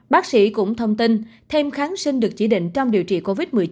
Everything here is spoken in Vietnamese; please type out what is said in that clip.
bác sĩ cũng thông tin thêm kháng sinh được chỉ định trong điều trị covid một mươi chín